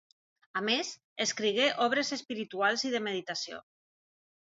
A més, escrigué obres espirituals i de meditació.